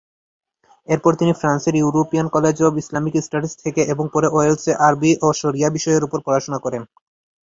এরপর তিনি ফ্রান্সের European college of Islamic studies থেকে এবং পরে ওয়েলসে আরবি ও শরিয়াহ বিষয়ের উপর পড়াশোনা করেন।